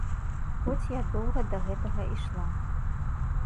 Хоць я доўга да гэтага ішла.